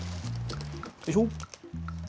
よいしょ。